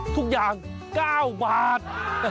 ทุกอย่าง๙บาท